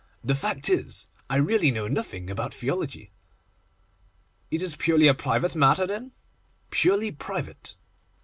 'The fact is, I really know nothing about theology.' 'It is a purely private matter then?' 'Purely private.